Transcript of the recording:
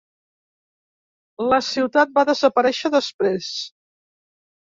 La ciutat va desaparèixer després.